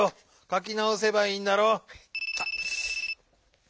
かきなおせばいいんだろう？